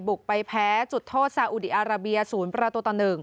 ไปแพ้จุดโทษซาอุดีอาราเบีย๐ประตูต่อ๑